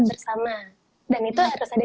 bersama dan itu harus ada